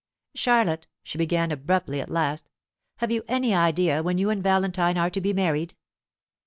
"Charlotte," she began abruptly at last, "have you any idea when you and Valentine are to be married?"